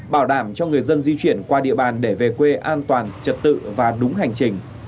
bảo đảm cho người dân di chuyển qua địa bàn để về quê an toàn trật tự và đúng hành trình